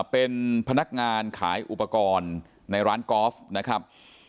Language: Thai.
เป็นพนักงานขายอุปกรณ์ในร้านกอล์ฟนะครับ